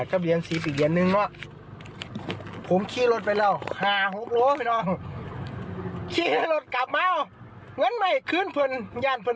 ลองฟังเขาเล่าเหตุการณ์หน่อยสิ